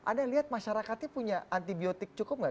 anda lihat masyarakatnya punya antibiotik cukup nggak